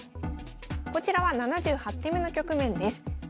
こちらは７８手目の局面です。